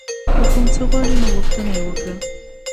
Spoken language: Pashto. که کوم څه غواړئ نو غوښتنه یې وکړئ.